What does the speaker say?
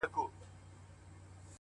جوړ يمه گودر يم ماځيگر تر ملا تړلى يم”